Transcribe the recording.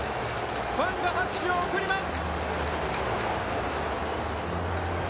ファンが拍手を送ります！